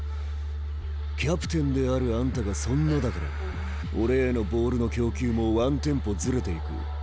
キャプテンであるあんたがそんなだから俺へのボールの供給もワンテンポずれていく。